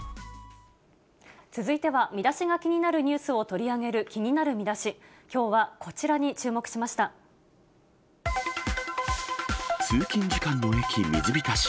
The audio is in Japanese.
続いてはミダシが気になるニュースを取り上げる気になるミダシ、きょうはこちらに注目しまし通勤時間の駅、水浸し。